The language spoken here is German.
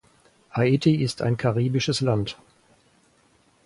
Haiti ist ein karibisches Land.